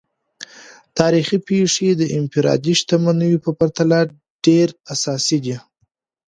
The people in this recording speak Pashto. تاریخي پیښې د انفرادي شتمنیو په پرتله ډیر اساسي دي.